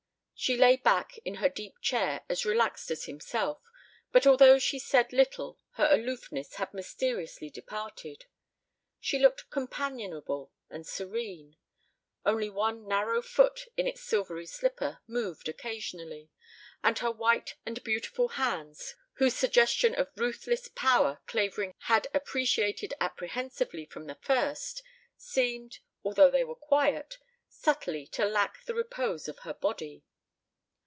She lay back in her deep chair as relaxed as himself, but although she said little her aloofness had mysteriously departed. She looked companionable and serene. Only one narrow foot in its silvery slipper moved occasionally, and her white and beautiful hands, whose suggestion of ruthless power Clavering had appreciated apprehensively from the first, seemed, although they were quiet, subtly to lack the repose of her body.